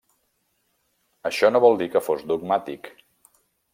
Això no vol dir que fos dogmàtic.